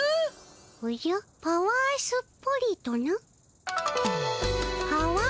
おじゃぱわーすっぽりとな？